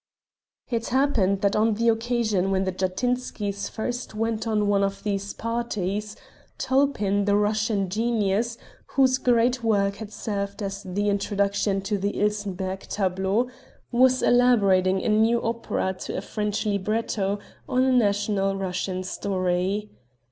It happened that on the occasion when the Jatinskys first went to one of these parties Tulpin the Russian genius whose great work had served as the introduction to the Ilsenbergh tableaux, was elaborating a new opera to a French libretto on a national Russian story.